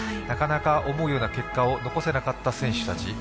なかなか、思うような結果を残せなかった選手たち